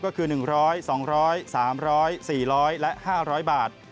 ก็คือ๑๐๐บาท๒๐๐บาท๓๐๐บาท๔๐๐บาทและ๕๐๐บาท